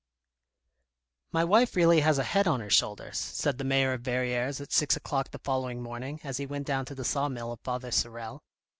" My wife really has a head on her shoulders," said the mayor of Verrieres at six o'clock the following morning, as he went down to the saw mill of Father Sorel.